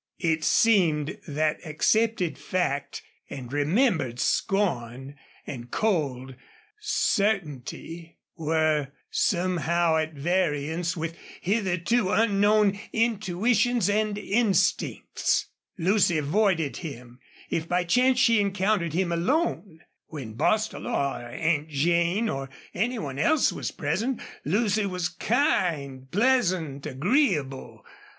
It seemed that accepted fact and remembered scorn and cold certainty were somehow at variance with hitherto unknown intuitions and instincts. Lucy avoided him, if by chance she encountered him alone. When Bostil or Aunt Jane or any one else was present Lucy was kind, pleasant, agreeable.